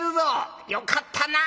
よかったなあ。